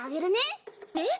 えっ？